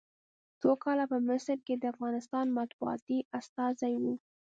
څو کاله په مصر کې د افغانستان مطبوعاتي استازی و.